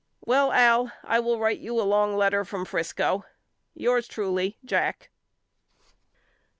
Well Al I will write you a long letter from Frisco. Yours truly, JACK.